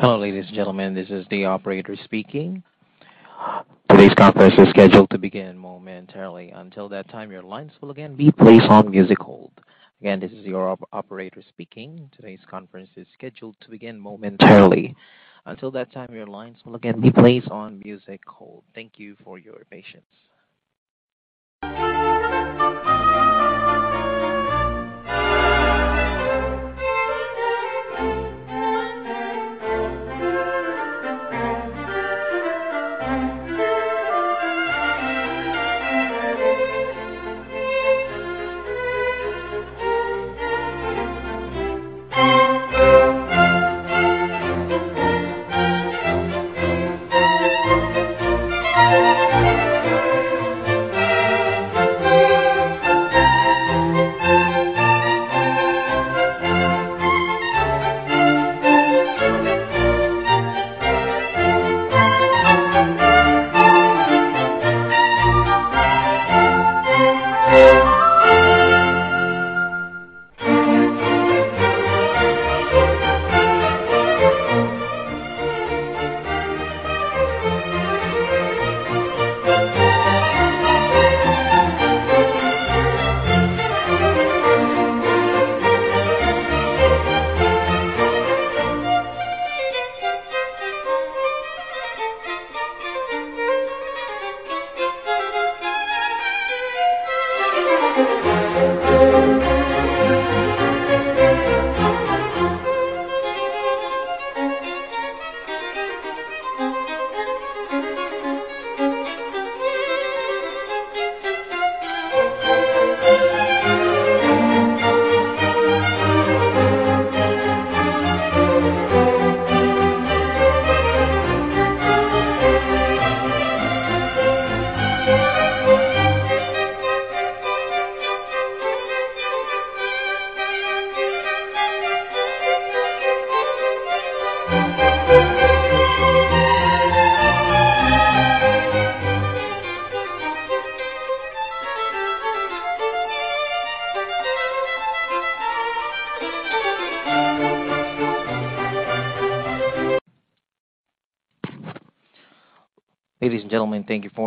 Hello, ladies and gentlemen, this is the operator speaking. Today's conference is scheduled to begin momentarily. Until that time, your lines will again be placed on music hold. Again, this is your operator speaking. Today's conference is scheduled to begin momentarily. Until that time, your lines will again be placed on music hold. Thank you for your patience.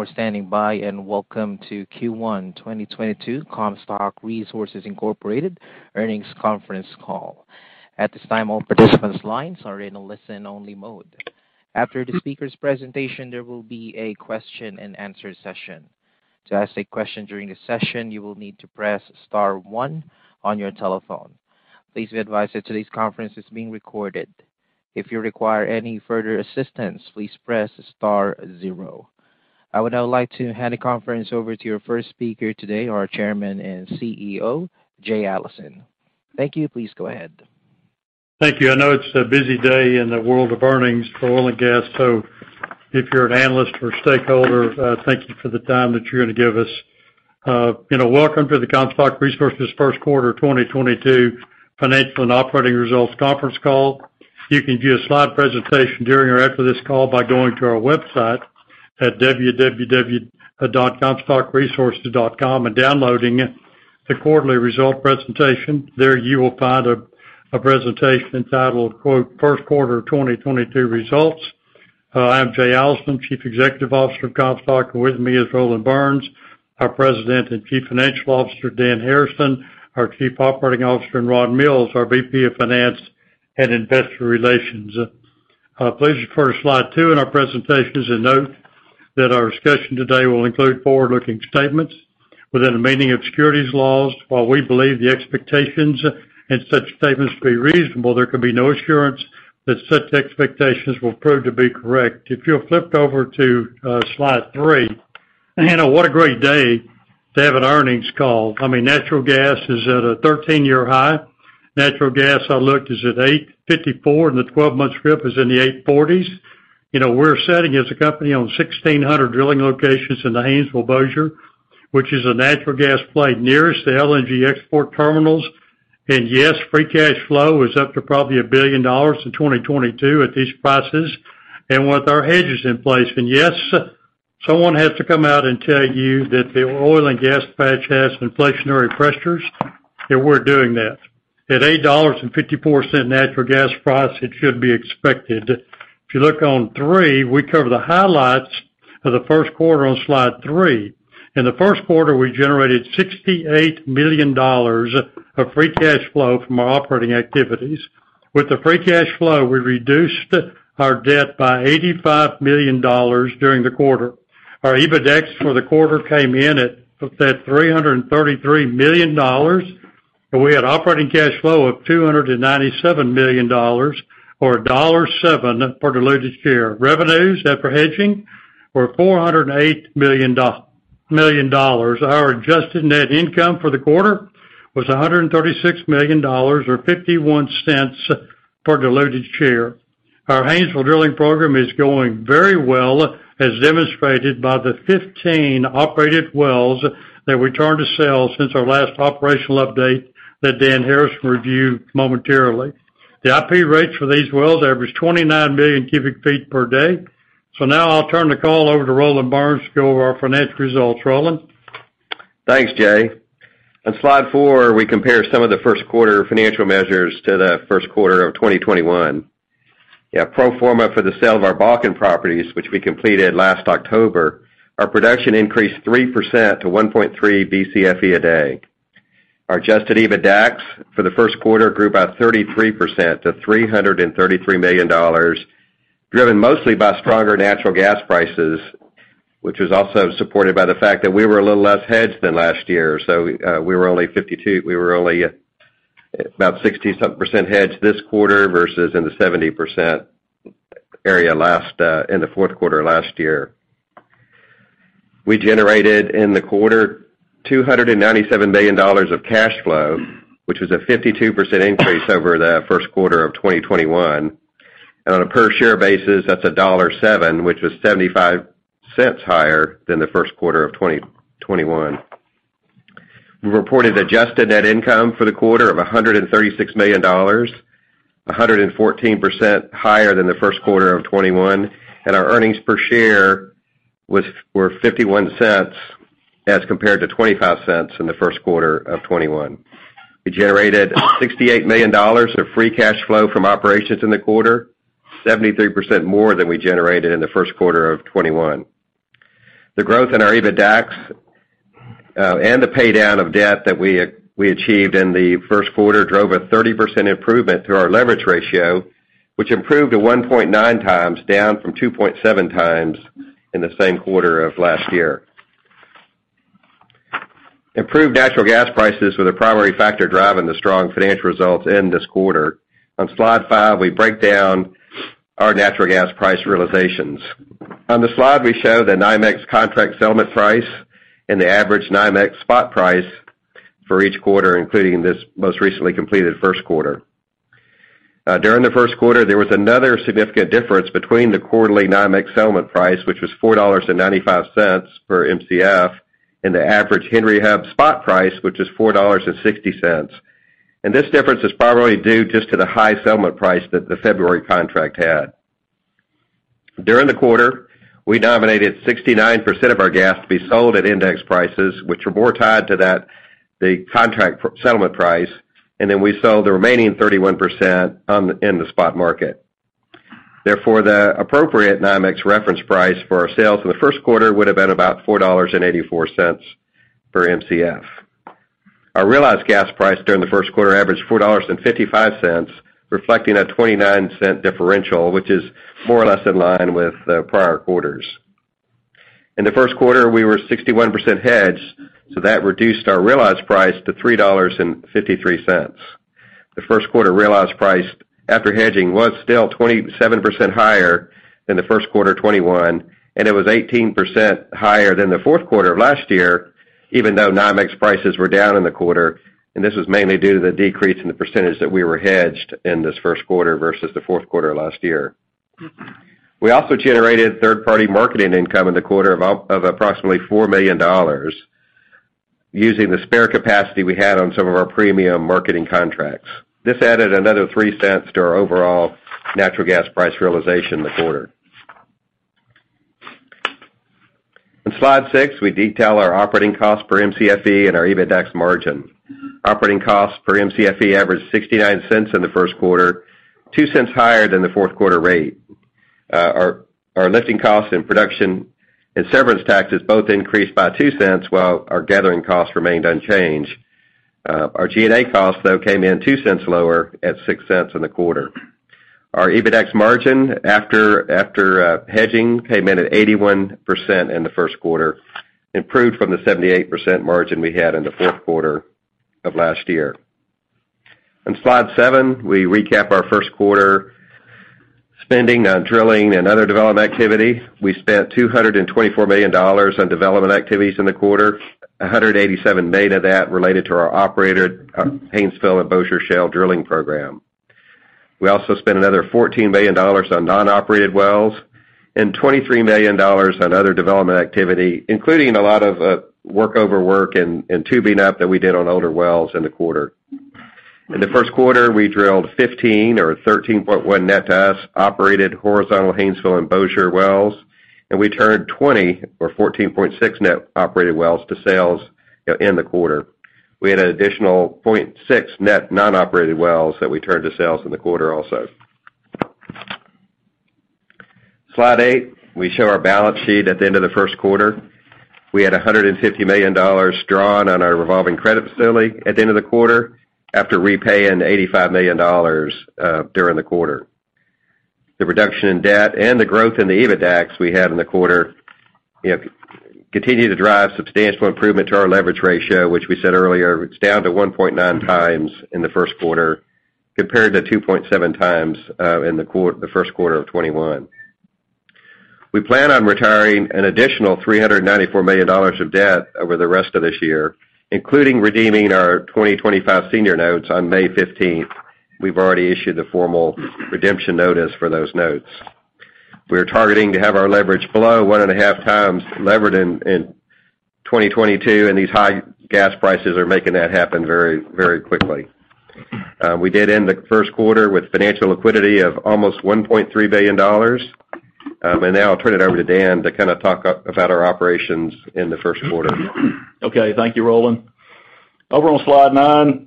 Ladies and gentlemen, thank you for standing by, and welcome to Q1 2022 Comstock Resources, Inc. Earnings Conference Call. At this time, all participants' lines are in a listen-only mode. After the speaker's presentation, there will be a question-and-answer session. To ask a question during the session, you will need to press star one on your telephone. Please be advised that today's conference is being recorded. If you require any further assistance, please press star zero. I would now like to hand the conference over to your first speaker today, our Chairman and CEO, Jay Allison. Thank you. Please go ahead. Thank you. I know it's a busy day in the world of earnings for oil and gas, so if you're an analyst or stakeholder, thank you for the time that you're going to give us. You know, welcome to the Comstock Resources first quarter 2022 financial and operating results conference call. You can view a slide presentation during or after this call by going to our website at www.comstockresources.com and downloading the quarterly result presentation. There you will find a presentation titled "First Quarter of 2022 Results." I'm Jay Allison, Chief Executive Officer of Comstock. With me is Roland Burns, our President and Chief Financial Officer, Dan Harrison, our Chief Operating Officer, and Ron Mills, our VP of Finance and Investor Relations. Please refer to slide two in our presentation as a note that our discussion today will include forward-looking statements within the meaning of securities laws. While we believe the expectations and such statements to be reasonable, there can be no assurance that such expectations will prove to be correct. If you'll flip over to slide three. You know, what a great day to have an earnings call. I mean, natural gas is at a 13-year high. Natural gas, I looked, is at 8.54, and the 12-month strip is in the 8.40s. You know, we're sitting as a company on 1,600 drilling locations in the Haynesville-Bossier, which is a natural gas play nearest the LNG export terminals. Yes, free cash flow is up to probably $1 billion in 2022 at these prices and with our hedges in place. Yes, someone has to come out and tell you that the oil and gas patch has inflationary pressures, and we're doing that. At $8.54 natural gas price, it should be expected. If you look on three, we cover the highlights of the first quarter on slide three. In the first quarter, we generated $68 million of free cash flow from our operating activities. With the free cash flow, we reduced our debt by $85 million during the quarter. Our EBITDAX for the quarter came in at $333 million, and we had operating cash flow of $297 million or $1.07 per diluted share. Revenues after hedging were $408 million. Our adjusted net income for the quarter was $136 million or 0.51 per diluted share. Our Haynesville drilling program is going very well, as demonstrated by the 15 operated wells that we turned to sales since our last operational update that Dan Harrison will review momentarily. The IP rates for these wells average 29 million cubic feet per day. Now I'll turn the call over to Roland Burns to go over our financial results. Roland? Thanks, Jay. On slide four, we compare some of the first quarter financial measures to the first quarter of 2021. Yeah, pro forma for the sale of our Bakken properties, which we completed last October, our production increased 3% to 1.3 BCFE a day. Our adjusted EBITDA for the first quarter grew by 33% to $333 million, driven mostly by stronger natural gas prices, which was also supported by the fact that we were a little less hedged than last year. We were only about 67% hedged this quarter versus in the 70% area last in the fourth quarter last year. We generated in the quarter $297 million of cash flow, which was a 52% increase over the first quarter of 2021. On a per share basis, that's $1.07, which was 0.75 higher than the first quarter of 2021. We reported adjusted net income for the quarter of $136 million, 114% higher than the first quarter of 2021, and our earnings per share were 0.51 as compared to 0.25 in the first quarter of 2021. We generated $68 million of free cash flow from operations in the quarter, 73% more than we generated in the first quarter of 2021. The growth in our EBITDA and the pay down of debt that we achieved in the first quarter drove a 30% improvement to our leverage ratio, which improved to 1.9x, down from 2.7x in the same quarter of last year. Improved natural gas prices were the primary factor driving the strong financial results in this quarter. On slide five, we break down our natural gas price realizations. On the slide, we show the NYMEX contract settlement price and the average NYMEX spot price for each quarter, including this most recently completed first quarter. During the first quarter, there was another significant difference between the quarterly NYMEX settlement price, which was $4.95 per Mcf, and the average Henry Hub spot price, which is $4.60. This difference is probably due just to the high settlement price that the February contract had. During the quarter, we nominated 69% of our gas to be sold at index prices, which were more tied to that, the contract settlement price, and then we sold the remaining 31% on the, in the spot market. Therefore, the appropriate NYMEX reference price for our sales in the first quarter would have been about $4.84 per Mcf. Our realized gas price during the first quarter averaged $4.55, reflecting a 29-cent differential, which is more or less in line with the prior quarters. In the first quarter, we were 61% hedged, so that reduced our realized price to $3.53. The first quarter realized price after hedging was still 27% higher than the first quarter of 2021, and it was 18% higher than the fourth quarter of last year, even though NYMEX prices were down in the quarter, and this was mainly due to the decrease in the percentage that we were hedged in this first quarter versus the fourth quarter of last year. We also generated third-party marketing income in the quarter of approximately $4 million using the spare capacity we had on some of our premium marketing contracts. This added another 0.03 to our overall natural gas price realization in the quarter. On slide six, we detail our operating cost per Mcfe and our EBITDAX margin. Operating cost per Mcfe averaged 0.69 in the first quarter, 0.02 higher than the fourth quarter rate. Our lifting costs and production and severance taxes both increased by 0.02 while our gathering costs remained unchanged. Our G&A costs, though, came in 0.02 lower at 0.06 in the quarter. Our EBITDAX margin after hedging came in at 81% in the first quarter, improved from the 78% margin we had in the fourth quarter of last year. On slide seven, we recap our first quarter spending on drilling and other development activity. We spent $224 million on development activities in the quarter, $187 million that related to our operated Haynesville-Bossier Shale drilling program. We also spent another $14 million on non-operated wells and $23 million on other development activity, including a lot of workover and tubing up that we did on older wells in the quarter. In the first quarter, we drilled 15 or 13.1 net to us operated horizontal Haynesville-Bossier wells, and we turned 20 or 14.6 net operated wells to sales in the quarter. We had an additional 0.6 net non-operated wells that we turned to sales in the quarter also. Slide eight, we show our balance sheet at the end of the first quarter. We had $150 million drawn on our revolving credit facility at the end of the quarter after repaying $85 million during the quarter. The reduction in debt and the growth in the EBITDAX we had in the quarter continue to drive substantial improvement to our leverage ratio, which we said earlier, it's down to 1.9 times in the first quarter compared to 2.7 times in the first quarter of 2021. We plan on retiring an additional $394 million of debt over the rest of this year, including redeeming our 2025 senior notes on May 15. We've already issued the formal redemption notice for those notes. We're targeting to have our leverage below 1.5 times levered in 2022, and these high gas prices are making that happen very, very quickly. We did end the first quarter with financial liquidity of almost $1.3 billion. Now I'll turn it over to Dan to kind of talk about our operations in the first quarter. Okay. Thank you, Roland. Over on slide nine,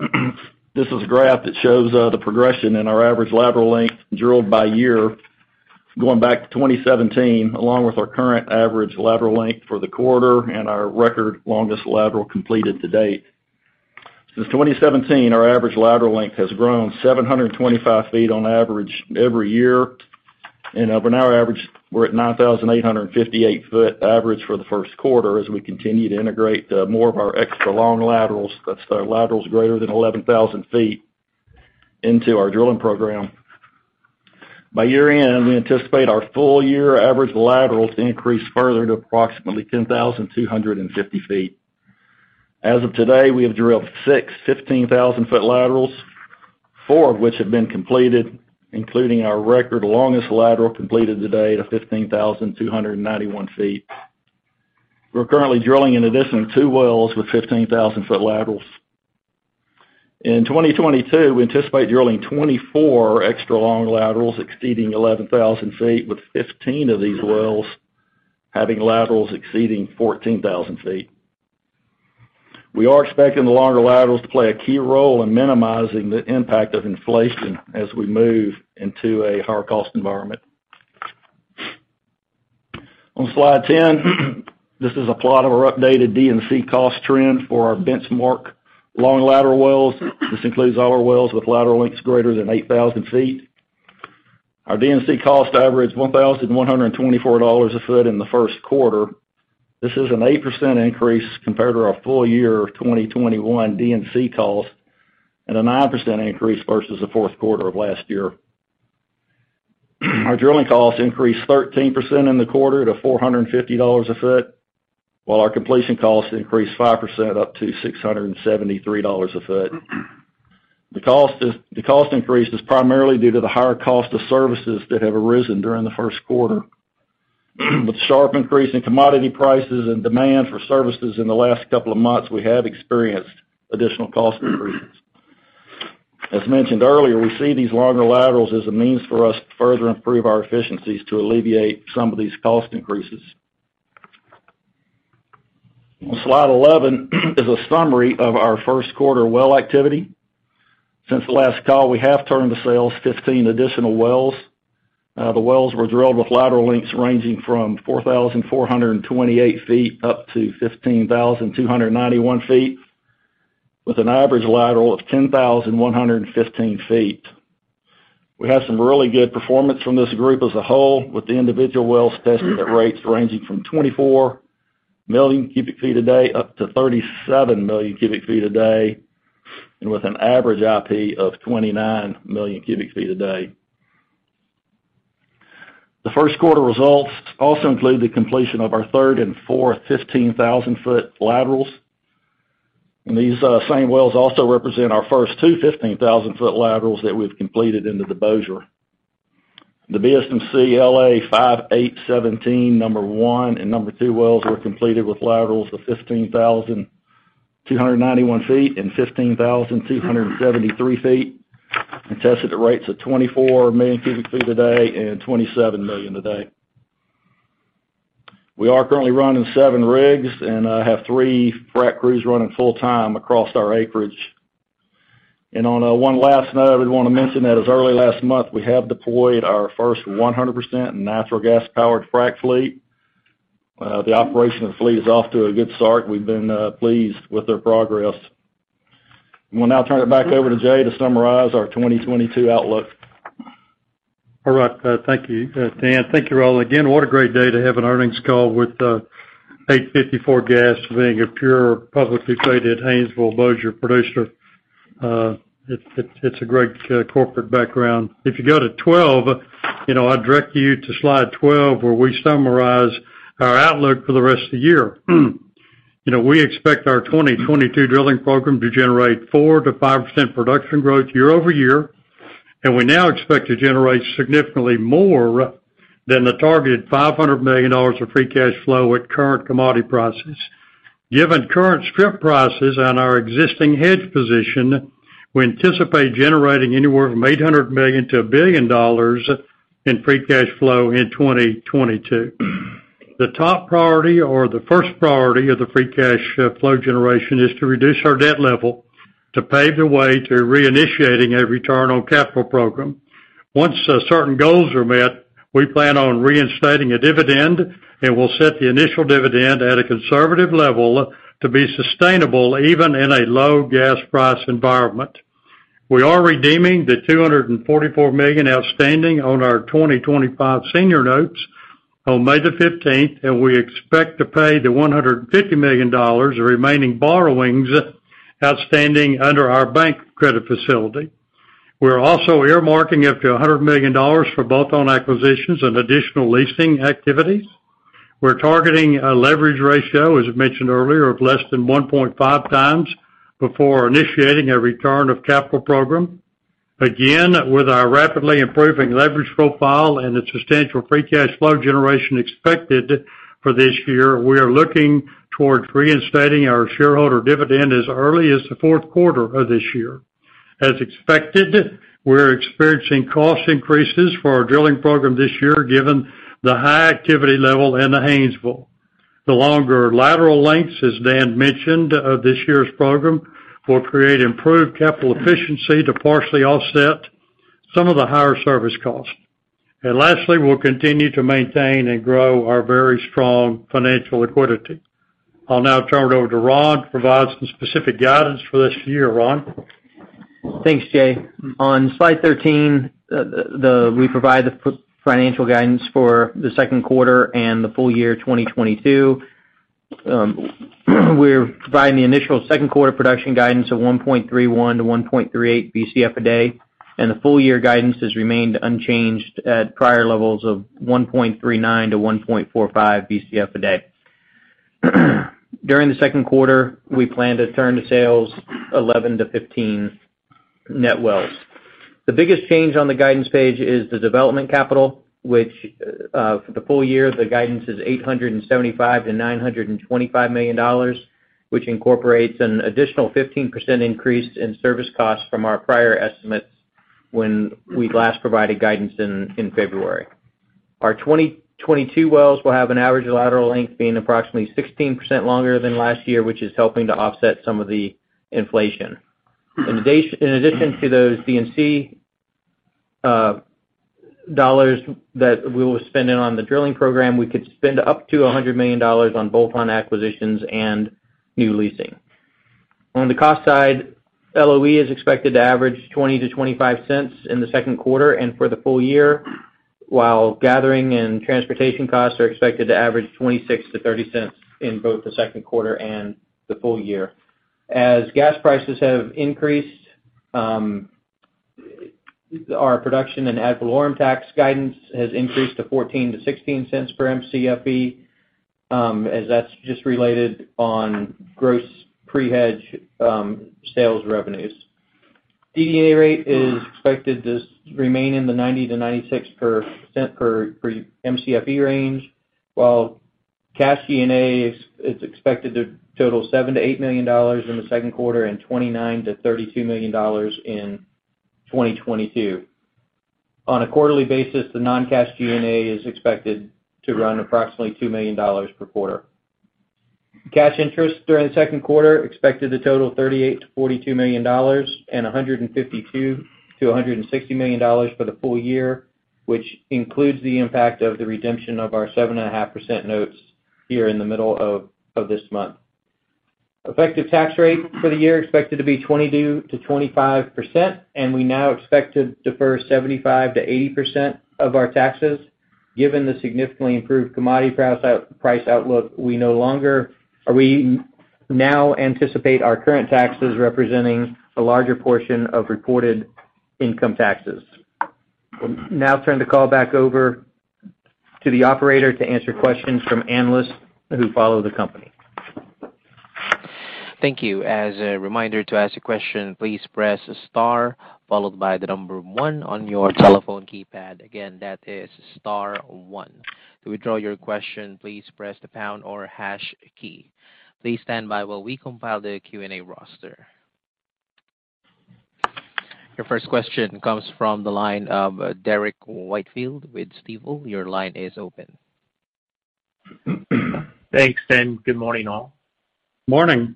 this is a graph that shows the progression in our average lateral length drilled by year going back to 2017, along with our current average lateral length for the quarter and our record longest lateral completed to date. Since 2017, our average lateral length has grown 725 feet on average every year, and of an annual average, we're at 9,858 foot average for the first quarter as we continue to integrate more of our extra long laterals. That's the laterals greater than 11,000 feet into our drilling program. By year-end, we anticipate our full year average lateral to increase further to approximately 10,250 feet. As of today, we have drilled six 15,000-foot laterals, four of which have been completed, including our record longest lateral completed to date of 15,291 feet. We're currently drilling an additional two wells with 15,000-foot laterals. In 2022, we anticipate drilling 24 extra long laterals exceeding 11,000 feet, with 15 of these wells having laterals exceeding 14,000 feet. We are expecting the longer laterals to play a key role in minimizing the impact of inflation as we move into a higher cost environment. On slide 10, this is a plot of our updated D&C cost trend for our benchmark long lateral wells. This includes all our wells with lateral lengths greater than 8,000 feet. Our D&C cost averaged $1,124 a foot in the first quarter. This is an 8% increase compared to our full year 2021 D&C cost and a 9% increase versus the fourth quarter of last year. Our drilling costs increased 13% in the quarter to $450 a foot, while our completion costs increased 5% up to $673 a foot. The cost increase is primarily due to the higher cost of services that have arisen during the first quarter. With sharp increase in commodity prices and demand for services in the last couple of months, we have experienced additional cost increases. As mentioned earlier, we see these longer laterals as a means for us to further improve our efficiencies to alleviate some of these cost increases. On slide 11 is a summary of our first quarter well activity. Since the last call, we have turned to sales 15 additional wells. The wells were drilled with lateral lengths ranging from 4,428 feet up to 15,291 feet with an average lateral of 10,115 feet. We had some really good performance from this group as a whole, with the individual wells testing at rates ranging from 24 million cubic feet a day up to 37 million cubic feet a day, and with an average IP of 29 million cubic feet a day. The first quarter results also include the completion of our third and fourth 15,000-foot laterals. These same wells also represent our first two 15,000-foot laterals that we've completed into the Bossier. The BSMC LA 58-17 number one and number two wells were completed with laterals of 15,291 feet and 15,273 feet and tested at rates of 24 million cubic feet a day and 27 million a day. We are currently running seven rigs and have three frac crews running full-time across our acreage. On one last note, we want to mention that as early as last month, we have deployed our first 100% natural gas-powered frac fleet. The operation of the fleet is off to a good start. We've been pleased with their progress. We'll now turn it back over to Jay to summarize our 2022 outlook. All right. Thank you, Dan. Thank you, Roland. Again, what a great day to have an earnings call with 8.54 gas being a pure, publicly traded Haynesville-Bossier producer. It's a great corporate background. If you go to 12, you know, I direct you to slide 12, where we summarize our outlook for the rest of the year. You know, we expect our 2022 drilling program to generate 4%-5% production growth year-over-year, and we now expect to generate significantly more than the targeted $500 million of free cash flow at current commodity prices. Given current strip prices and our existing hedge position, we anticipate generating anywhere from $800 million-$1 billion in free cash flow in 2022. The top priority or the first priority of the free cash flow generation is to reduce our debt level to pave the way to reinitiating a return on capital program. Once certain goals are met, we plan on reinstating a dividend, and we'll set the initial dividend at a conservative level to be sustainable even in a low gas price environment. We are redeeming the 244 million outstanding on our 2025 senior notes on May the fifteenth, and we expect to pay the $150 million, the remaining borrowings outstanding under our bank credit facility. We're also earmarking up to $100 million for bolt-on acquisitions and additional leasing activities. We're targeting a leverage ratio, as I mentioned earlier, of less than 1.5x before initiating a return of capital program. Again, with our rapidly improving leverage profile and the substantial free cash flow generation expected for this year, we are looking towards reinstating our shareholder dividend as early as the fourth quarter of this year. As expected, we're experiencing cost increases for our drilling program this year, given the high activity level in the Haynesville. The longer lateral lengths, as Dan mentioned, of this year's program will create improved capital efficiency to partially offset some of the higher service costs. Lastly, we'll continue to maintain and grow our very strong financial liquidity. I'll now turn it over to Ron to provide some specific guidance for this year. Ron? Thanks, Jay. On slide 13, we provide the financial guidance for the second quarter and the full year 2022. We're providing the initial second quarter production guidance of 1.31-1.38 BCFE a day, and the full year guidance has remained unchanged at prior levels of 1.39-1.45 BCFE a day. During the second quarter, we plan to turn to sales 11-15 net wells. The biggest change on the guidance page is the development capital, which, for the full year, the guidance is $875 million-$925 million, which incorporates an additional 15% increase in service costs from our prior estimates when we last provided guidance in February. Our 2022 wells will have an average lateral length being approximately 16% longer than last year, which is helping to offset some of the inflation. In addition to those D&C dollars that we will spend on the drilling program, we could spend up to $100 million on bolt-on acquisitions and new leasing. On the cost side, LOE is expected to average 0.20-0.25 in the second quarter and for the full year, while gathering and transportation costs are expected to average 0.26-0.30 in both the second quarter and the full year. As gas prices have increased, our production and ad valorem tax guidance has increased to 0.14-0.16 per Mcfe, as that's just related to gross pre-hedge sales revenues. DDA rate is expected to remain in the 90%-96% per Mcfe range, while cash G&A is expected to total $7 million-$8 million in the second quarter and $29 million-$32 million in 2022. On a quarterly basis, the non-cash G&A is expected to run approximately $2 million per quarter. Cash interest during the second quarter expected to total $38 million-$42 million and $152 million-$160 million for the full year, which includes the impact of the redemption of our 7.5% notes here in the middle of this month. Effective tax rate for the year expected to be 22%-25%, and we now expect to defer 75%-80% of our taxes. Given the significantly improved commodity price outlook, we now anticipate our current taxes representing a larger portion of reported income taxes. Now turn the call back over to the operator to answer questions from analysts who follow the company. Thank you. As a reminder, to ask a question, please press star followed by the number 1 on your telephone keypad. Again, that is star one. To withdraw your question, please press the pound or hash key. Please stand by while we compile the Q&A roster. Your first question comes from the line of Derrick Whitfield with Stifel. Your line is open. Thanks, Dan. Good morning, all. Morning.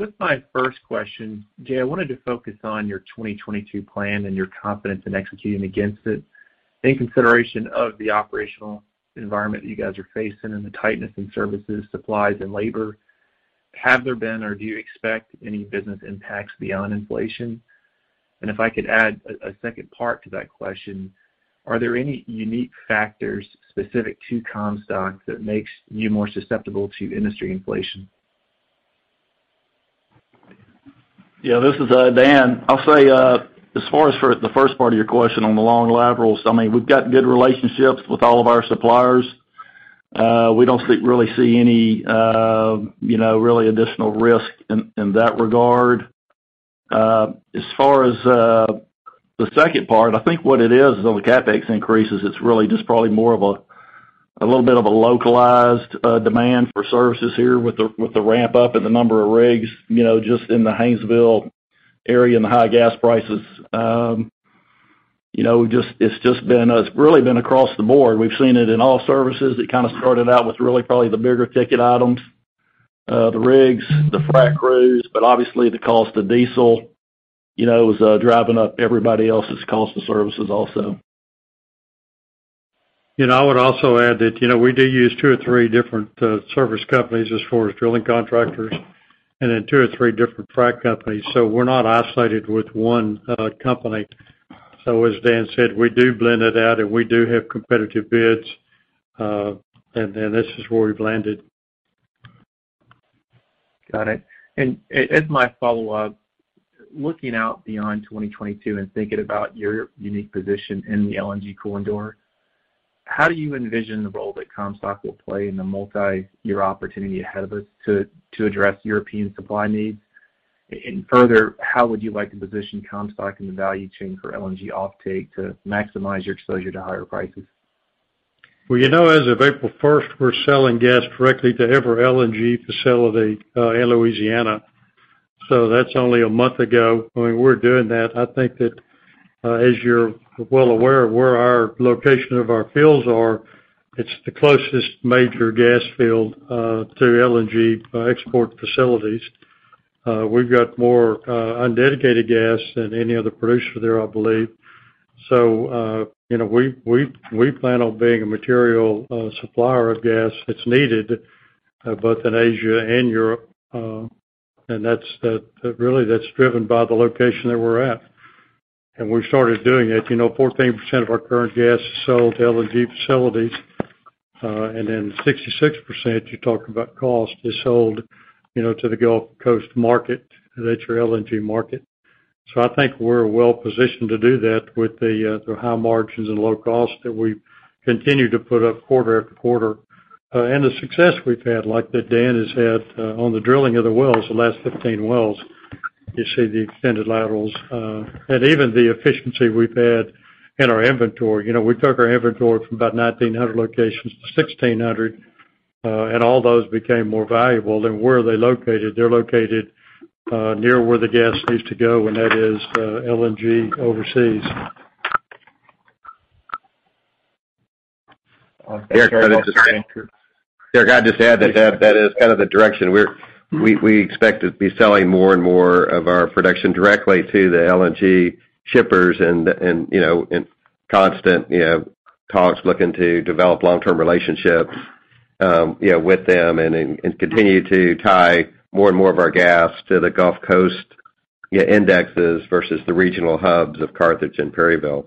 With my first question, Jay, I wanted to focus on your 2022 plan and your confidence in executing against it. In consideration of the operational environment that you guys are facing and the tightness in services, supplies and labor, have there been, or do you expect any business impacts beyond inflation? If I could add a second part to that question, are there any unique factors specific to Comstock that makes you more susceptible to industry inflation? Yeah, this is Dan. I'll say, as far as for the first part of your question on the long laterals, I mean, we've got good relationships with all of our suppliers. We don't really see any, you know, really additional risk in that regard. As far as the second part, I think what it is is on the CapEx increases, it's really just probably more of a little bit of a localized demand for services here with the ramp up and the number of rigs, you know, just in the Haynesville area and the high gas prices. You know, it's just been really across the board. We've seen it in all services. It kind of started out with really probably the bigger ticket items, the rigs, the frac crews, but obviously the cost of diesel, you know, is driving up everybody else's cost of services also. You know, I would also add that, you know, we do use two or three different service companies as far as drilling contractors and then two or three different frac companies, so we're not isolated with one company. As Dan said, we do blend it out and we do have competitive bids, and then this is where we've landed. Got it. As my follow-up, looking out beyond 2022 and thinking about your unique position in the LNG corridor, how do you envision the role that Comstock will play in the multi-year opportunity ahead of us to address European supply needs? Further, how would you like to position Comstock in the value chain for LNG offtake to maximize your exposure to higher prices? Well, you know, as of April first, we're selling gas directly to every LNG facility in Louisiana. That's only a month ago when we were doing that. I think that, as you're well aware of where our location of our fields are, it's the closest major gas field to LNG export facilities. We've got more undedicated gas than any other producer there, I believe. You know, we plan on being a material supplier of gas that's needed both in Asia and Europe, and that's really driven by the location that we're at. We started doing it. You know, 14% of our current gas is sold to LNG facilities, and then 66%, you talk about cost, is sold, you know, to the Gulf Coast market. That's your LNG market. I think we're well positioned to do that with the high margins and low costs that we continue to put up quarter after quarter. And the success we've had like that Dan has had on the drilling of the wells, the last 15 wells, you see the extended laterals. And even the efficiency we've had in our inventory. You know, we took our inventory from about 1900 locations to 1600, and all those became more valuable than where they're located. They're located near where the gas needs to go, and that is LNG overseas. Sorry about that. Derrick, can I just add that. That is kind of the direction. We expect to be selling more and more of our production directly to the LNG shippers and you know in constant talks you know looking to develop long-term relationships you know with them and continue to tie more and more of our gas to the Gulf Coast yeah indexes versus the regional hubs of Carthage and Perryville.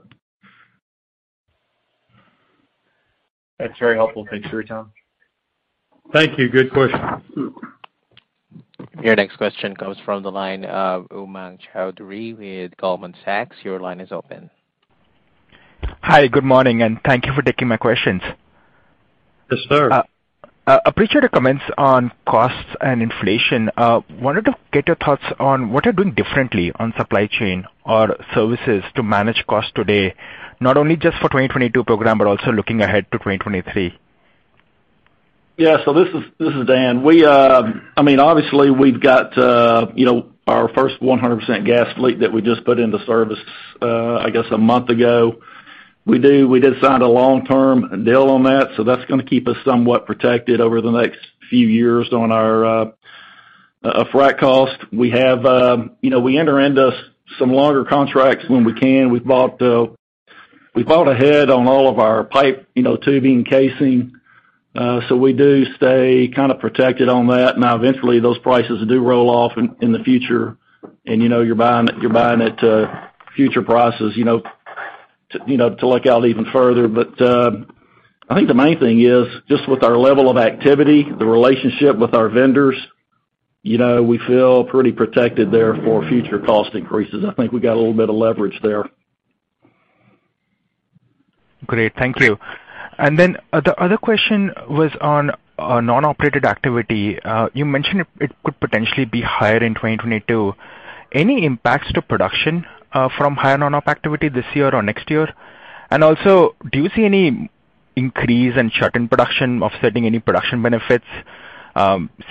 That's very helpful. Thanks, Roland. Thank you. Good question. Your next question comes from the line of Umang Choudhary with Goldman Sachs. Your line is open. Hi, good morning, and thank you for taking my questions. Yes, sir. I appreciate your comments on costs and inflation. Wanted to get your thoughts on what you're doing differently on supply chain or services to manage costs today, not only just for 2022 program but also looking ahead to 2023. Yeah. This is Dan. I mean, obviously we've got, you know, our first 100% gas fleet that we just put into service, I guess a month ago. We did sign a long-term deal on that, so that's going to keep us somewhat protected over the next few years on our freight cost. We have, you know, we enter into some longer contracts when we can. We bought ahead on all of our pipe, you know, tubing casing. So we do stay kinda protected on that. Now, eventually, those prices do roll off in the future and, you know, you're buying it to future prices, you know, to look out even further. I think the main thing is just with our level of activity, the relationship with our vendors, you know, we feel pretty protected there for future cost increases. I think we got a little bit of leverage there. Great. Thank you. The other question was on non-operated activity. You mentioned it could potentially be higher in 2022. Any impacts to production from higher non-op activity this year or next year? Also, do you see any increase in shut-in production offsetting any production benefits?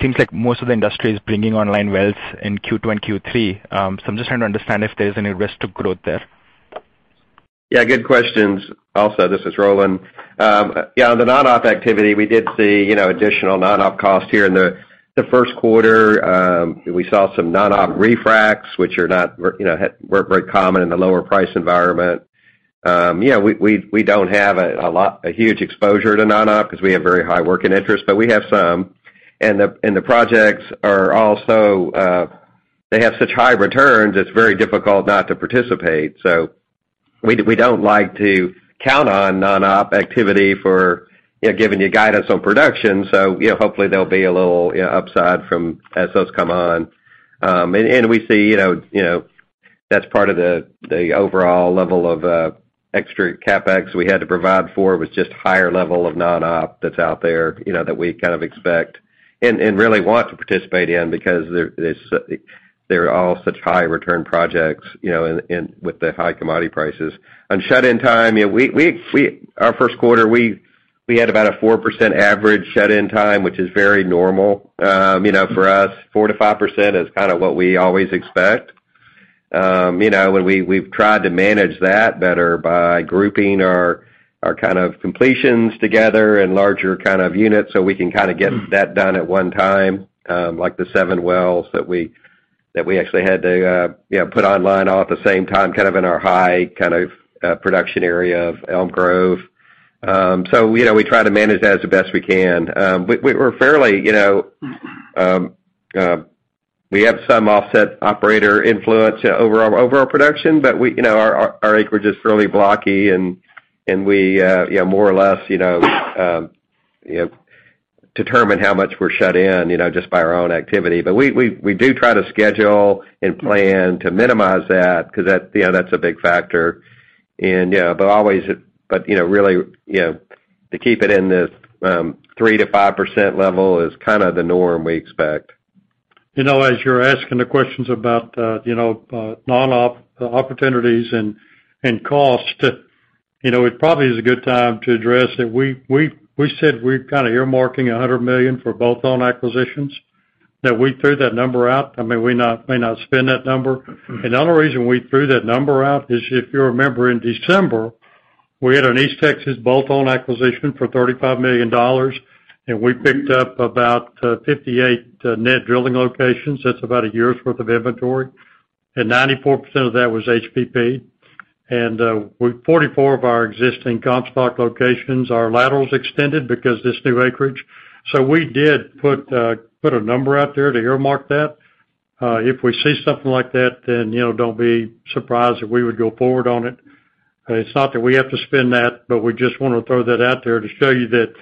Seems like most of the industry is bringing online wells in Q2 and Q3. I'm just trying to understand if there's any risk to growth there. Yeah, good questions. Also, this is Roland Burns. Yeah, on the non-op activity, we did see, you know, additional non-op costs here in the first quarter. We saw some non-op refracs, which are not very, you know, weren't very common in the lower price environment. Yeah, we don't have a huge exposure to non-op 'cause we have very high working interest, but we have some. The projects are also, they have such high returns, it's very difficult not to participate. We don't like to count on non-op activity for, you know, giving you guidance on production. You know, hopefully there'll be a little, you know, upside from as those come on. We see, you know, that's part of the overall level of extra CapEx we had to provide for was just higher level of non-op that's out there, you know, that we kind of expect and really want to participate in because they're all such high return projects, you know, and with the high commodity prices. On shut-in time, you know, our first quarter, we had about a 4% average shut-in time, which is very normal, you know, for us. 4%-5% is kinda what we always expect. you know, we've tried to manage that better by grouping our kind of completions together in larger kind of units, so we can kinda get that done at one time, like the seven wells that we actually had to you know, put online all at the same time, kind of in our high kind of production area of Elm Grove. you know, we try to manage that as best we can. We're fairly, you know, we have some offset operator influence over our production, but you know, our acreage is fairly blocky and we, you know, more or less, you know, determine how much we're shut in, you know, just by our own activity. We do try to schedule and plan to minimize that 'cause that, you know, that's a big factor. Yeah, but always, you know, really, you know, to keep it in this 3%-5% level is kinda the norm we expect. You know, as you're asking the questions about the, you know, non-op opportunities and costs, you know, it probably is a good time to address that we said we're kinda earmarking 100 million for bolt-on acquisitions. Now, we threw that number out. I mean, we may not spend that number. Another reason we threw that number out is, if you remember in December, we had an East Texas bolt-on acquisition for $35 million, and we picked up about 58 net drilling locations. That's about a year's worth of inventory, and 94% of that was HBP. With 44 of our existing Comstock locations, our laterals extended because this new acreage. We did put a number out there to earmark that. If we see something like that, then, you know, don't be surprised if we would go forward on it. It's not that we have to spend that, but we just want to throw that out there to show you that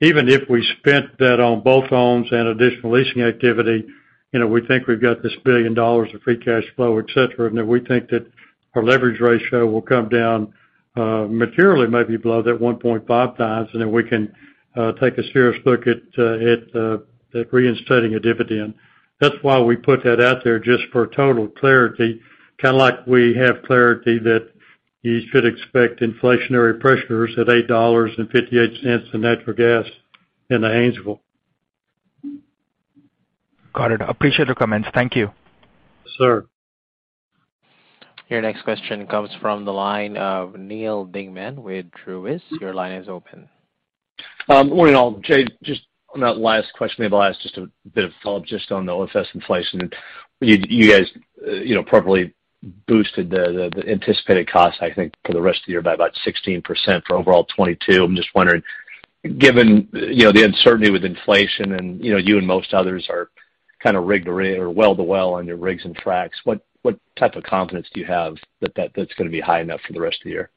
even if we spent that on bolt-ons and additional leasing activity, you know, we think we've got this $1 billion of free cash flow, et cetera, and that we think that our leverage ratio will come down, materially, maybe below that 1.5 times, and then we can take a serious look at reinstating a dividend. That's why we put that out there, just for total clarity, kinda like we have clarity that you should expect inflationary pressures at $8.58 in natural gas in the Haynesville. Got it. Appreciate the comments. Thank you. Yes, sir. Your next question comes from the line of Neal Dingmann with Truist. Your line is open. Good morning, all. Jay, just on that last question, maybe last, just a bit of follow-up just on the OFS inflation. You guys, you know, appropriately boosted the anticipated cost, I think, for the rest of the year by about 16% for overall 2022. I'm just wondering, given, you know, the uncertainty with inflation and, you know, you and most others are kinda rig-locked well-to-well on your rigs and fracs, what type of confidence do you have that that's going to be high enough for the rest of the year?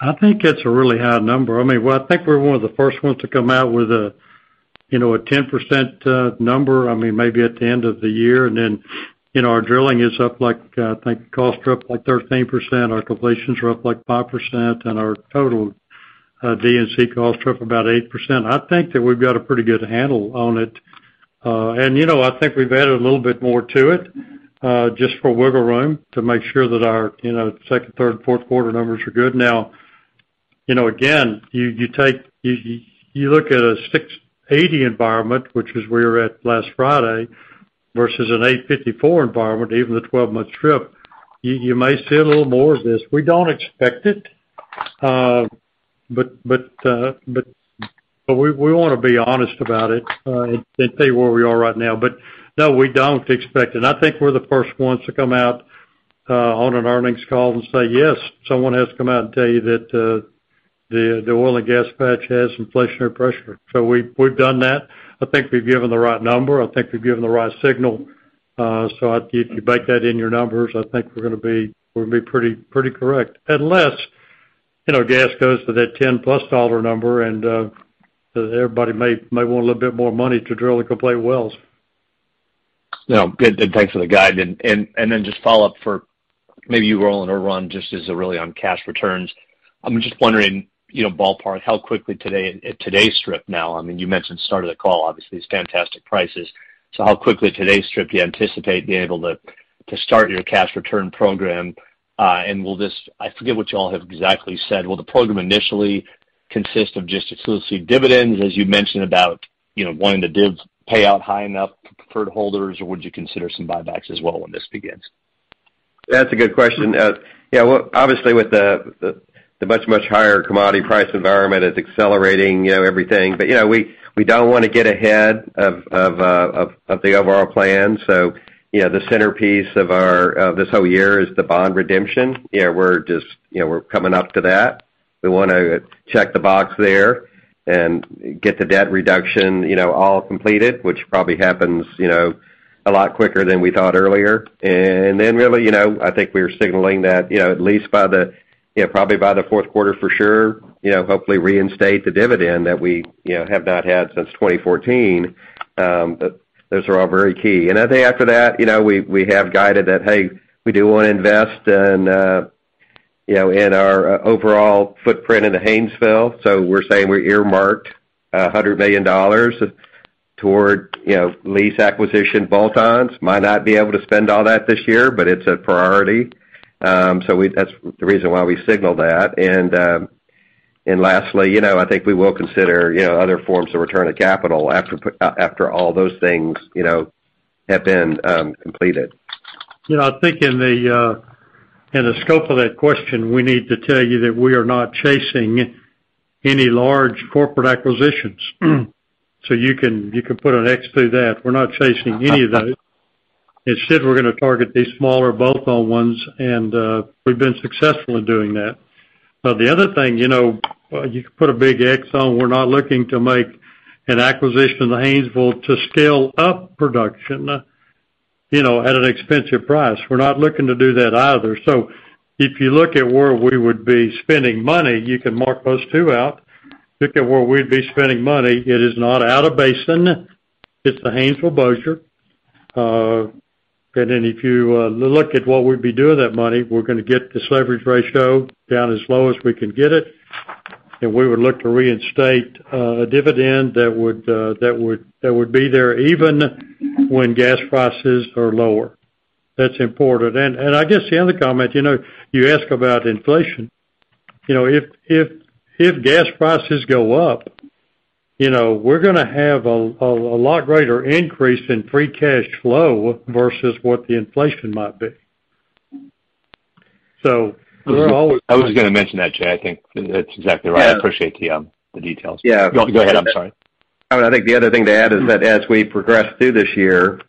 I think it's a really high number. I mean, well, I think we're one of the first ones to come out with a, you know, a 10% number. I mean, maybe at the end of the year. You know, our drilling costs are up, like, 13%. Our completions are up, like, 5%, and our total D&C costs are up about 8%. I think that we've got a pretty good handle on it. You know, I think we've added a little bit more to it, just for wiggle room to make sure that our, you know, second, third, fourth quarter numbers are good. Now, you know, again, you take. You look at a 6.80 environment, which is where we're at last Friday, versus an $8.54 environment, even the 12-month strip, you may see a little more of this. We don't expect it, but we want to be honest about it and see where we are right now. No, we don't expect it. I think we're the first ones to come out on an earnings call and say, yes, someone has to come out and tell you that the oil and gas patch has inflationary pressure. We've done that. I think we've given the right number. I think we've given the right signal. If you bake that in your numbers, I think we're going to be pretty correct, unless, you know, gas goes to that $10+ number, and everybody may want a little bit more money to drill the complete wells. No, good. Thanks for the guidance. Then just follow up for maybe you, Roland or Ron, just really on cash returns. I'm just wondering, you know, ballpark how quickly today, at today's strip now. I mean, you mentioned start of the call, obviously, these fantastic prices. How quickly today's strip you anticipate being able to start your cash return program? I forget what y'all have exactly said. Will the program initially consist of just exclusive dividends, as you mentioned about, you know, wanting the divs payout high enough preferred holders, or would you consider some buybacks as well when this begins? That's a good question. Yeah, well, obviously, with the much higher commodity price environment, it's accelerating, you know, everything. You know, we don't want to get ahead of the overall plan. You know, the centerpiece of our this whole year is the bond redemption. You know, we're just, you know, we're coming up to that. We want to check the box there and get the debt reduction, you know, all completed, which probably happens, you know, a lot quicker than we thought earlier. Really, you know, I think we are signaling that, you know, at least, you know, probably by the fourth quarter for sure, you know, hopefully reinstate the dividend that we, you know, have not had since 2014. But those are all very key. I think after that, you know, we have guided that, hey, we do want to invest in, you know, in our overall footprint in the Haynesville. So we're saying we earmarked $100 million toward, you know, lease acquisition bolt-ons. Might not be able to spend all that this year, but it's a priority. So that's the reason why we signaled that. And lastly, you know, I think we will consider, you know, other forms of return of capital after all those things, you know, have been completed. You know, I think in the scope of that question, we need to tell you that we are not chasing any large corporate acquisitions. So you can put an X through that. We're not chasing any of those. Instead, we're going to target these smaller bolt-on ones, and we've been successful in doing that. But the other thing, you know, you could put a big X on. We're not looking to make an acquisition in the Haynesville to scale up production, you know, at an expensive price. We're not looking to do that either. So if you look at where we would be spending money, you can mark those two out. Look at where we'd be spending money. It is not out of basin. It's the Haynesville-Bossier. If you look at what we'd be doing with that money, we're going to get this leverage ratio down as low as we can get it. We would look to reinstate a dividend that would be there even when gas prices are lower. That's important. I guess the other comment, you know, you ask about inflation. You know, if gas prices go up, you know, we're going to have a lot greater increase in free cash flow versus what the inflation might be. So we're always- I was just going to mention that, Jay. I think that's exactly right. Yeah. I appreciate the details. Yeah. No, go ahead. I'm sorry. I mean, I think the other thing to add is that as we progress through this year,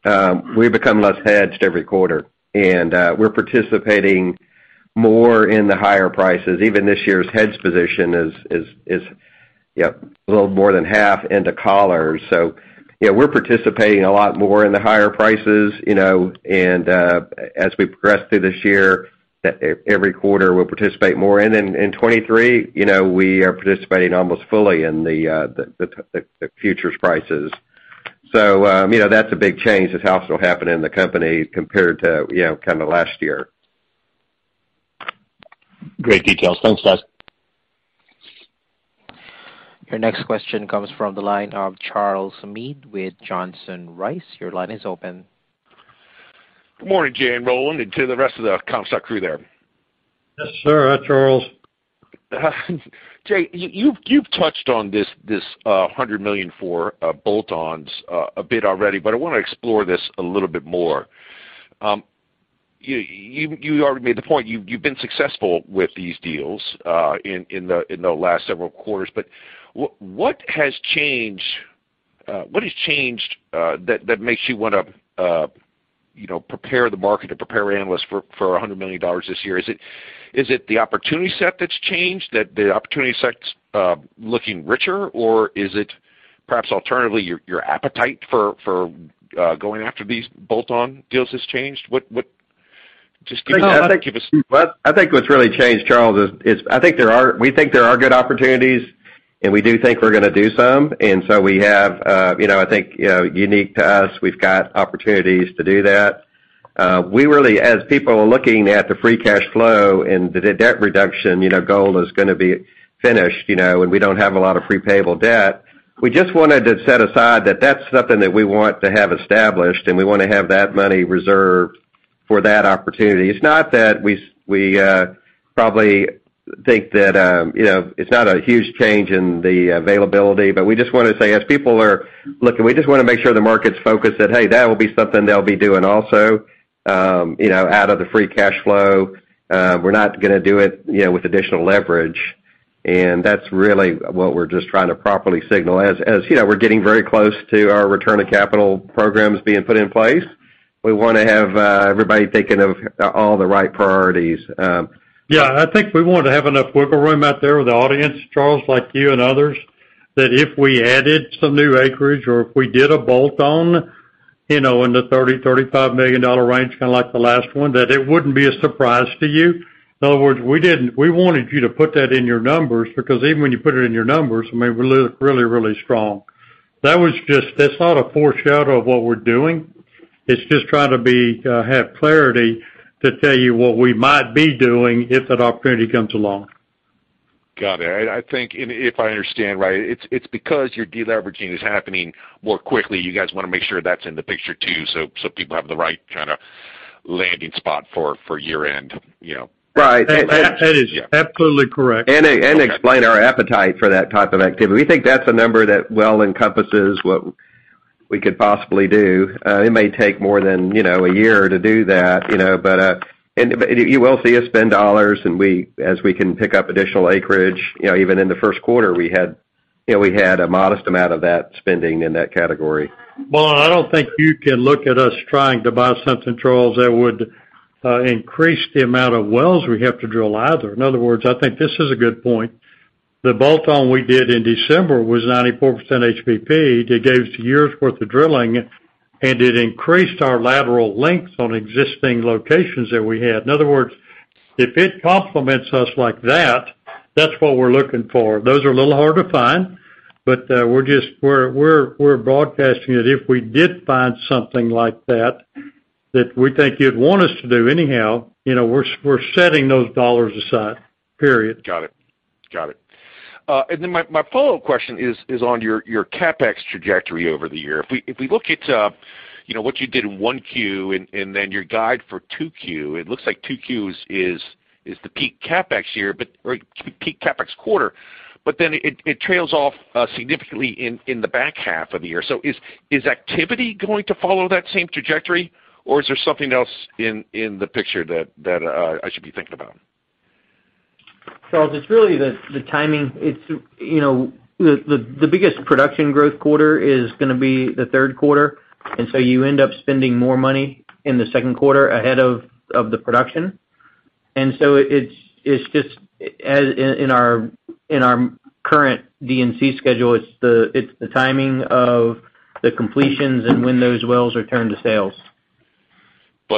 we become less hedged every quarter, and we're participating more in the higher prices. Even this year's hedge position is, you know, a little more than half into collars. So, you know, we're participating a lot more in the higher prices, you know. As we progress through this year, that every quarter we'll participate more. In 2023, you know, we are participating almost fully in the futures prices. So, you know, that's a big change that's also happening in the company compared to, you know, kinda last year. Great details. Thanks, guys. Your next question comes from the line of Charles Meade with Johnson Rice & Company. Your line is open. Good morning, Jay and Roland, and to the rest of the Comstock crew there. Yes, sir. Hi, Charles. Jay, you've touched on this 100 million for bolt-ons a bit already, but I want to explore this a little bit more. You already made the point, you've been successful with these deals in the last several quarters. What has changed that makes you want to you know prepare the market or prepare analysts for $100 million this year? Is it the opportunity set that's changed, that the opportunity set's looking richer? Or is it perhaps alternatively your appetite for going after these bolt-on deals has changed? What. Just give us. Well, I think what's really changed, Charles, is we think there are good opportunities, and we do think we're going to do some. We have, you know, I think, unique to us, we've got opportunities to do that. We really, as people are looking at the free cash flow and the debt reduction, you know, goal is going to be finished, you know, and we don't have a lot of prepayable debt, we just wanted to set aside that that's something that we want to have established, and we want to have that money reserved for that opportunity. It's not that we probably think that, you know, it's not a huge change in the availability, but we just want to say, as people are looking, we just want to make sure the market's focused that, hey, that will be something they'll be doing also, you know, out of the free cash flow. We're not going to do it, you know, with additional leverage, and that's really what we're just trying to properly signal. As you know, we're getting very close to our return on capital programs being put in place, we want to have everybody thinking of all the right priorities. I think we want to have enough wiggle room out there with the audience, Charles, like you and others, that if we added some new acreage or if we did a bolt-on, you know, in the $30-$35 million range, kinda like the last one, that it wouldn't be a surprise to you. In other words, we wanted you to put that in your numbers, because even when you put it in your numbers, I mean, we look really, really strong. That was just. That's not a foreshadow of what we're doing. It's just trying to be, have clarity to tell you what we might be doing if an opportunity comes along. Got it. I think if I understand right, it's because your de-leveraging is happening more quickly, you guys want to make sure that's in the picture too so people have the right kinda landing spot for year-end, you know? Right. Yeah. That is absolutely correct. Okay. Explain our appetite for that type of activity. We think that's a number that will encompass what we could possibly do. It may take more than, you know, a year to do that, you know. You will see us spend dollars, and as we can pick up additional acreage. You know, even in the first quarter, we had, you know, a modest amount of that spending in that category. Well, I don't think you can look at us trying to buy something, Charles, that would increase the amount of wells we have to drill either. In other words, I think this is a good point. The bolt-on we did in December was 94% HBP. It gave us a year's worth of drilling, and it increased our lateral length on existing locations that we had. In other words, if it complements us like that's what we're looking for. Those are a little hard to find, but we're broadcasting it. If we did find something like that we think you'd want us to do anyhow, you know, we're setting those dollars aside, period. Got it. Then my follow-up question is on your CapEx trajectory over the year. If we look at, you know, what you did in 1Q and then your guide for 2Q, it looks like 2Q is the peak CapEx quarter, or peak CapEx quarter. But then it trails off significantly in the back half of the year. Is activity going to follow that same trajectory, or is there something else in the picture that I should be thinking about? Charles, it's really the timing. It's, you know, the biggest production growth quarter is going to be the third quarter, and so you end up spending more money in the second quarter ahead of the production. It's just as in our current D&C schedule, it's the timing of the completions and when those wells are turned to sales.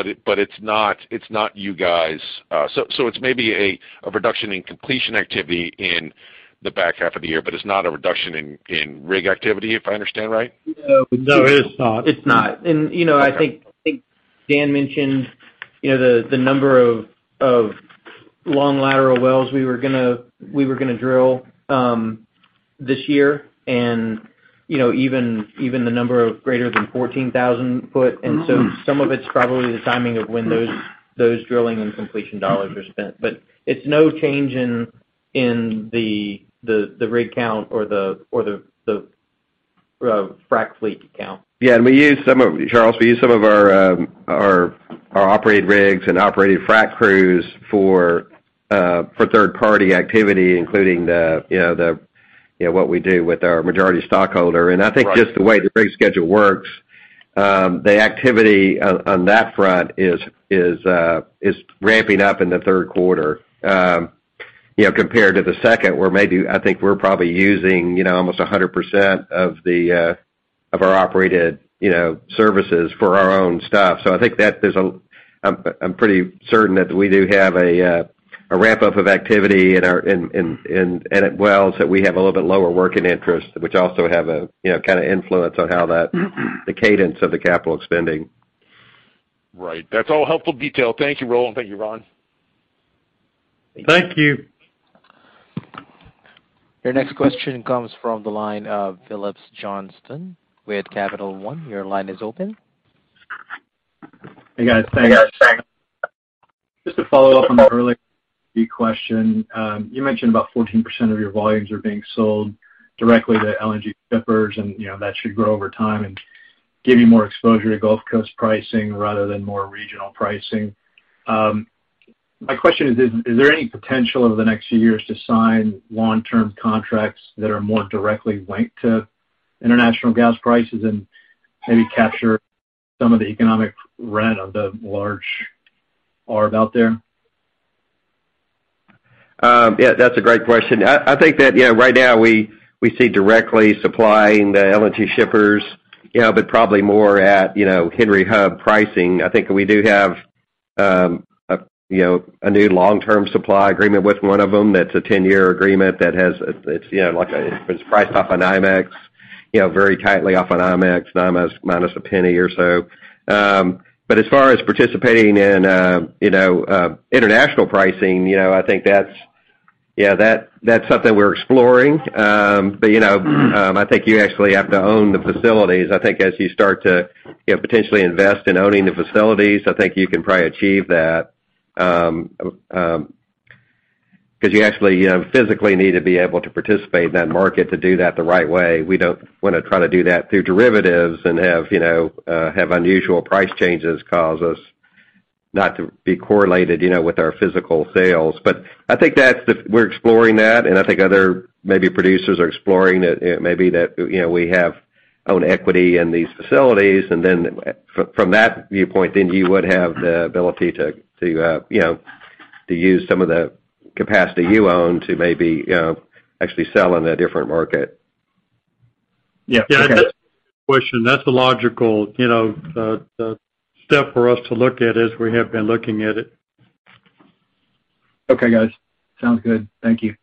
It's not you guys. So it's maybe a reduction in completion activity in the back half of the year, but it's not a reduction in rig activity, if I understand right? No. No, it is not. It's not. You know, I think- Okay Dan mentioned, you know, the number of long lateral wells we were going to drill this year and, you know, even the number of greater than 14,000-foot. Some of it's probably the timing of when those drilling and completion dollars are spent. It's no change in the rig count or the frac fleet count. Yeah. We use some of our operated rigs and operated frack crews for third party activity, including, you know, what we do with our majority stockholder. Right. I think just the way the rig schedule works, the activity on that front is ramping up in the third quarter, you know, compared to the second, where maybe I think we're probably using you know almost 100% of our operated you know services for our own stuff. I think I'm pretty certain that we do have a ramp up of activity in our infill wells that we have a little bit lower working interest, which also have a you know kind of influence on how that the cadence of the capital spending. Right. That's all helpful detail. Thank you, Roland. Thank you, Ron. Thank you. Thank you. Your next question comes from the line of Phillips Johnston with Capital One. Your line is open. Hey, guys. Thanks. Just to follow up on the earlier question, you mentioned about 14% of your volumes are being sold directly to LNG shippers and, you know, that should grow over time and give you more exposure to Gulf Coast pricing rather than more regional pricing. My question is there any potential over the next few years to sign long-term contracts that are more directly linked to international gas prices and maybe capture some of the economic rent of the large arb out there? Yeah, that's a great question. I think that, you know, right now we see directly supplying the LNG shippers, you know, but probably more at, you know, Henry Hub pricing. I think we do have a new long-term supply agreement with one of them that's a 10-year agreement. It's, you know, like it's priced off an NYMEX, you know, very tightly off an NYMEX, minus a penny or so. As far as participating in international pricing, you know, I think that's, yeah, that's something we're exploring. I think you actually have to own the facilities. I think as you start to, you know, potentially invest in owning the facilities, I think you can probably achieve that. 'Cause you actually physically need to be able to participate in that market to do that the right way. We don't want to try to do that through derivatives and have, you know, have unusual price changes cause us not to be correlated, you know, with our physical sales. I think that's the. We're exploring that, and I think other maybe producers are exploring it. Maybe that, you know, we have own equity in these facilities. From that viewpoint, then you would have the ability to, you know, to use some of the capacity you own to maybe, you know, actually sell in a different market. Yeah. Okay. Question. That's a logical, you know, step for us to look at as we have been looking at it. Okay, guys. Sounds good. Thank you.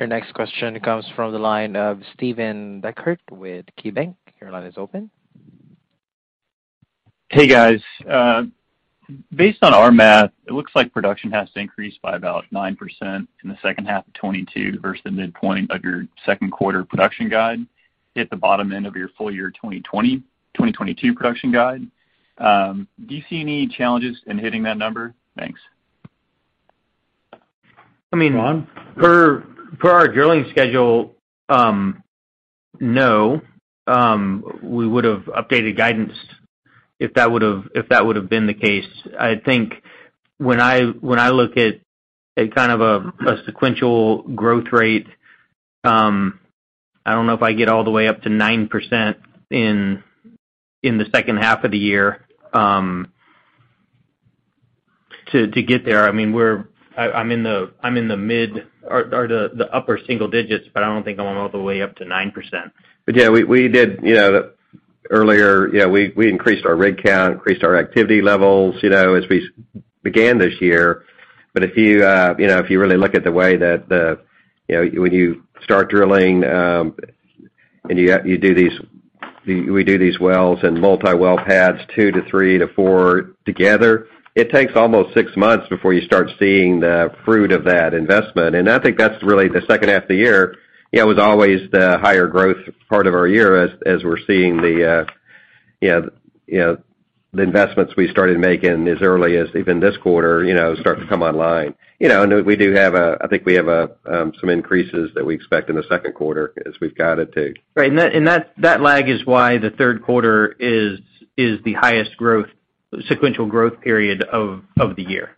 Your next question comes from the line of Steven Dechert with KeyBanc Capital Markets. Your line is open. Hey, guys. Based on our math, it looks like production has to increase by about 9% in the second half of 2022 versus the midpoint of your second quarter production guide to hit the bottom end of your full year 2022 production guide. Do you see any challenges in hitting that number? Thanks. I mean. Ron? Per our drilling schedule, no. We would have updated guidance if that would have been the case. I think when I look at a kind of sequential growth rate, I don't know if I get all the way up to 9% in the second half of the year to get there. I mean, I'm in the mid or the upper single digits, but I don't think I want all the way up to 9%. Yeah, we did, you know, earlier you know, we increased our rig count, increased our activity levels, you know, as we began this year. If you know, if you really look at the way that the, you know, when you start drilling, and we do these wells and multi-well pads, two to three to four together, it takes almost six months before you start seeing the fruit of that investment. I think that's really the second half of the year. You know, it was always the higher growth part of our year as we're seeing the, you know, the investments we started making as early as even this quarter, you know, start to come online. You know, I think we have some increases that we expect in the second quarter as we've guided to. Right. That lag is why the third quarter is the highest growth, sequential growth period of the year.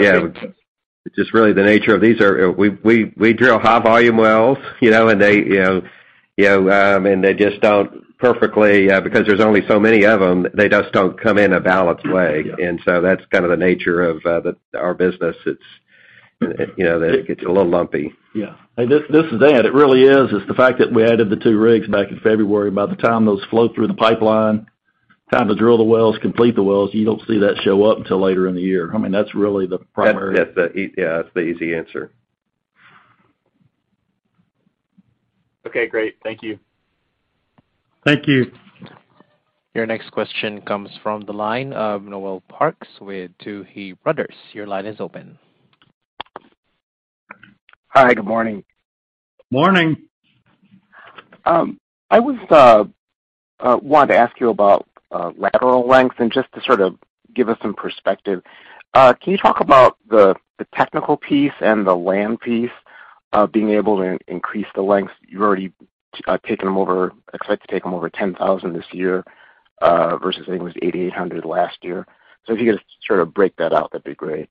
Yeah. We drill high volume wells, you know, and they, you know, and they just don't perfectly because there's only so many of them. They just don't come in a balanced way. Yeah. That's kind of the nature of our business. It's, you know, that it gets a little lumpy. Yeah. This is it. It really is the fact that we added the two rigs back in February. By the time those flow through the pipeline. Time to drill the wells, complete the wells, you don't see that show up until later in the year. I mean, that's really the primary- Yeah, that's the easy answer. Okay, great. Thank you. Thank you. Your next question comes from the line of Noel Parks with Tuohy Brothers. Your line is open. Hi, good morning. Morning. Wanted to ask you about lateral length and just to sort of give us some perspective. Can you talk about the technical piece and the land piece being able to increase the length? You already expect to take them over 10,000 this year versus I think it was 8,800 last year. If you could sort of break that out, that'd be great.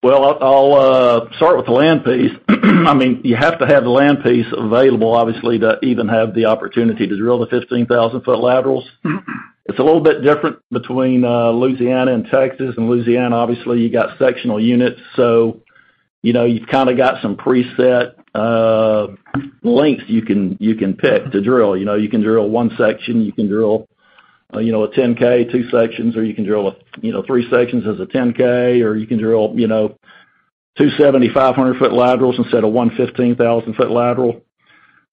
Well, I'll start with the land piece. I mean, you have to have the land piece available, obviously, to even have the opportunity to drill the 15,000-foot laterals. It's a little bit different between Louisiana and Texas. In Louisiana, obviously, you got sectional units, so you know, you've kinda got some preset lengths you can, you can pick to drill. You know, you can drill one section, you can drill, you know, a 10K, two sections, or you can drill, you know, three sections as a 10K, or you can drill, you know, two 7,500-foot laterals instead of one 15,000-foot lateral.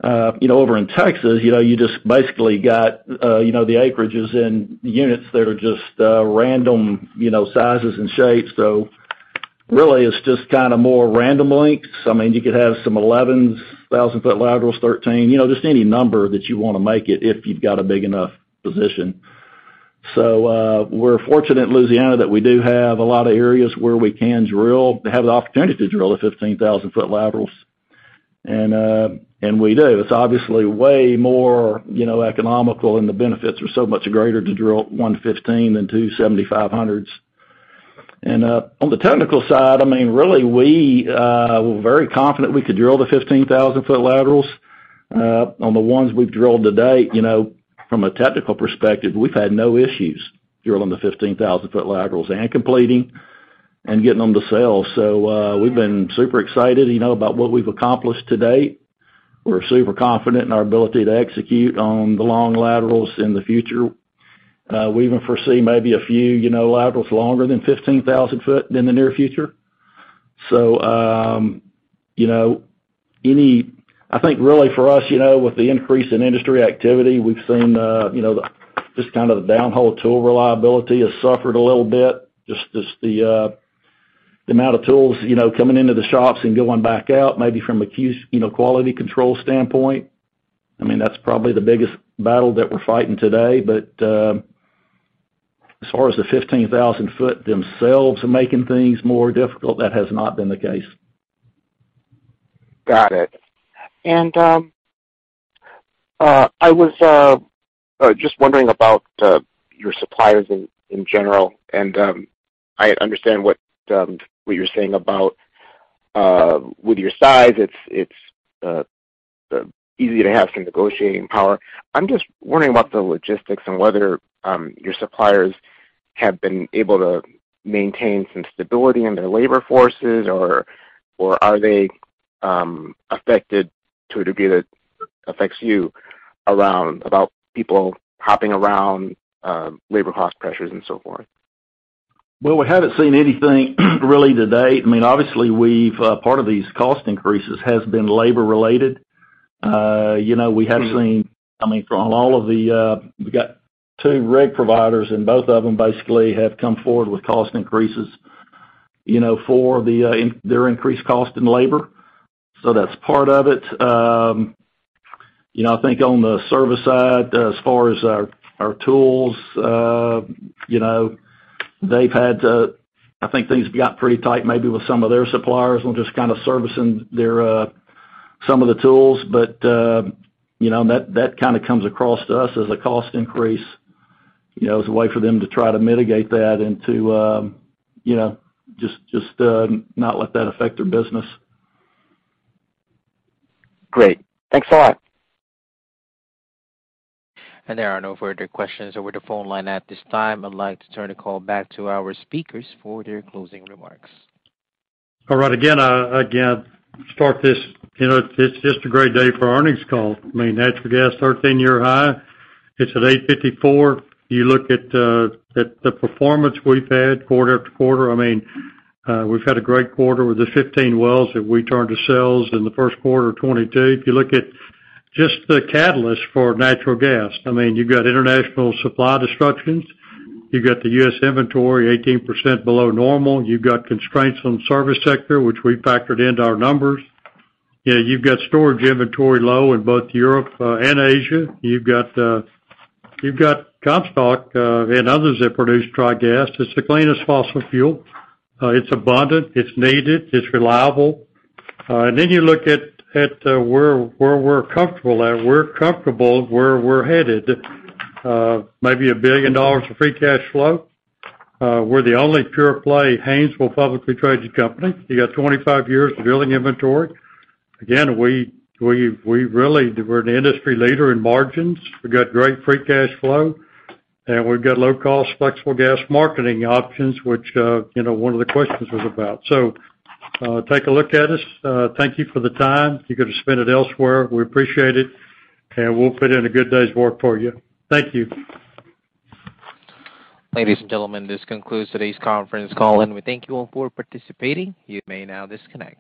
You know, over in Texas, you know, you just basically got, you know, the acreages and the units that are just, random, you know, sizes and shapes. Really it's just kinda more random lengths. I mean, you could have some 11,000-foot laterals, 13. You know, just any number that you want to make it if you've got a big enough position. We're fortunate in Louisiana that we do have a lot of areas where we can drill. They have the opportunity to drill the 15,000-foot laterals, and we do. It's obviously way more, you know, economical, and the benefits are so much greater to drill one 15,000 than two 7,500s. On the technical side, I mean, really we're very confident we could drill the 15,000-foot laterals. On the ones we've drilled to date, you know, from a technical perspective, we've had no issues drilling the 15,000-foot laterals and completing and getting them to sell. We've been super excited, you know, about what we've accomplished to date. We're super confident in our ability to execute on the long laterals in the future. We even foresee maybe a few, you know, laterals longer than 15,000 foot in the near future. I think really for us, you know, with the increase in industry activity, we've seen, you know, just kind of the downhole tool reliability has suffered a little bit, just the amount of tools, you know, coming into the shops and going back out, maybe from a quality control standpoint. I mean, that's probably the biggest battle that we're fighting today. As far as the 15,000-foot themselves making things more difficult, that has not been the case. Got it. I was just wondering about your suppliers in general. I understand what you're saying about with your size, it's easy to have some negotiating power. I'm just wondering about the logistics and whether your suppliers have been able to maintain some stability in their labor forces or are they affected to a degree that affects you around about people hopping around, labor cost pressures and so forth? Well, we haven't seen anything really to date. I mean, obviously we've part of these cost increases has been labor related. You know, I mean, from all of the we've got two rig providers and both of them basically have come forward with cost increases, you know, for the their increased cost in labor. That's part of it. You know, I think on the service side, as far as our tools, you know, I think things got pretty tight maybe with some of their suppliers on just kinda servicing their some of the tools. You know, that kinda comes across to us as a cost increase, you know, as a way for them to try to mitigate that and to, you know, just not let that affect their business. Great. Thanks a lot. There are no further questions over the phone line at this time. I'd like to turn the call back to our speakers for their closing remarks. All right. Again, start this, you know, it's just a great day for earnings call. I mean, natural gas, 13-year high. It's at 8.54. You look at the performance we've had quarter after quarter. I mean, we've had a great quarter with the 15 wells that we turned to sales in the first quarter of 2022. If you look at just the catalyst for natural gas, I mean, you've got international supply disruptions. You've got the U.S. inventory 18% below normal. You've got constraints on service sector, which we factored into our numbers. You know, you've got storage inventory low in both Europe and Asia. You've got Comstock and others that produce dry gas. It's the cleanest fossil fuel. It's abundant, it's needed, it's reliable. You look at where we're comfortable at. We're comfortable where we're headed. Maybe $1 billion of free cash flow. We're the only pure play Haynesville publicly traded company. You got 25 years of drilling inventory. Again, we're an industry leader in margins. We've got great free cash flow, and we've got low cost, flexible gas marketing options, which you know one of the questions was about. Take a look at us. Thank you for the time. You could have spent it elsewhere. We appreciate it, and we'll put in a good day's work for you. Thank you. Ladies and gentlemen, this concludes today's conference call, and we thank you all for participating. You may now disconnect.